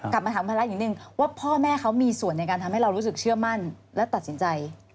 กลับมาถามภาระนิดนึงว่าพ่อแม่เขามีส่วนในการทำให้เรารู้สึกเชื่อมั่นและตัดสินใจ